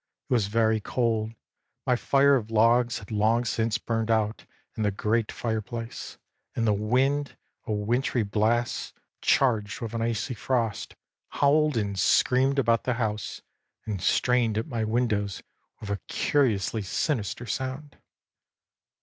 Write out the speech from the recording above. It was very cold; my fire of logs had long since burned out in the great fireplace; and the wind, a wintry blast, charged with an icy frost, howled and screamed about the house and strained at my windows with a curiously sinister sound.